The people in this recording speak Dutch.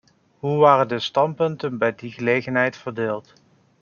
Hoe waren de standpunten bij die gelegenheid verdeeld?